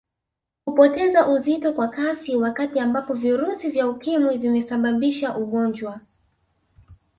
Kupoteza uzito kwa kasi wakati ambapo virusi vya Ukimwi vimeshasababisha ugonjwa